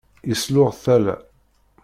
Yesluɣ tala.